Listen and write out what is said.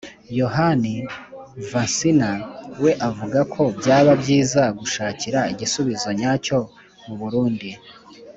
yohani vansina we avuga ko byaba byiza gushakira igisubizo nyacyo mu burundi,